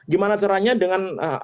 gimana caranya dengan